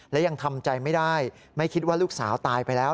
และยังทำใจไม่ได้ไม่คิดว่าลูกสาวตายไปแล้ว